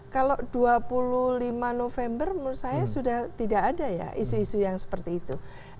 kalau dua puluh lima november menurut saya sudah tidak ada ya isu isu yang seperti itu